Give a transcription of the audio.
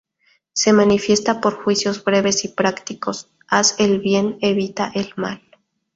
Se manifiesta por juicios breves y prácticos: haz el bien, evita el mal.